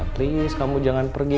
please kamu jangan pergi